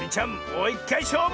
もういっかいしょうぶ！